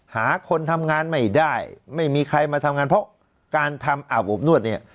หาคนทำงานไม่ได้ไม่มีใครมาทำงานเพราะการทำอาบอบนวดเนี่ย